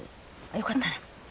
よかったら。